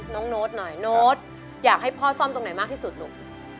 โน้ตหน่อยโน้ตอยากให้พ่อซ่อมตรงไหนมากที่สุดลูก